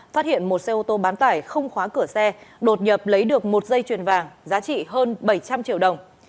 phát hiện một xe ô tô bán tải không khóa cửa xe đột nhập lấy được một dây chuyền vàng giá trị hơn bảy trăm linh triệu đồng